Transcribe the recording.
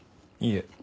いいえ。